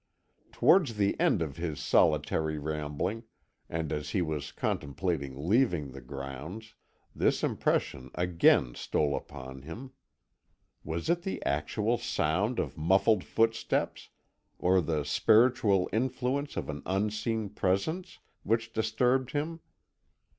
Towards the end of his solitary rambling, and as he was contemplating leaving the grounds, this impression again stole upon him. Was it the actual sound of muffled footsteps, or the spiritual influence of an unseen presence, which disturbed him?